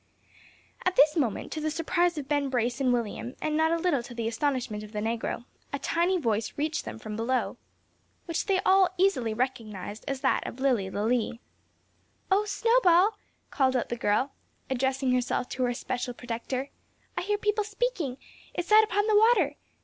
At this moment, to the surprise of Ben Brace and William, and not a little to the astonishment of the negro, a tiny voice reached them from below, which they all easily recognised as that of Lilly Lalee. "O Snowball," called out the girl, addressing herself to her especial protector, "I hear people speaking. It's out upon the water.